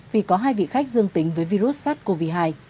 vì có hai vị khách dương tính với virus sars cov hai